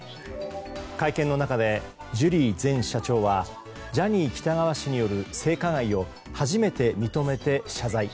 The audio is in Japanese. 会見の中で、ジュリー前社長はジャニー喜多川氏による性加害を初めて認めて謝罪。